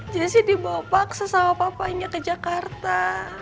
jessy dibawa paksa sama papanya ke jakarta